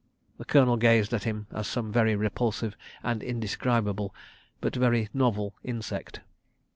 ... The Colonel gazed at him as at some very repulsive and indescribable, but very novel insect.